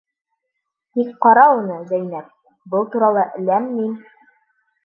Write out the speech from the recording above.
— Тик ҡара уны, Зәйнәп, был турала ләм-мим.